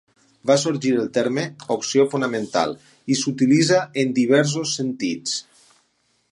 Va sorgir el terme "opció fonamental" i s'utilitza en diversos sentits.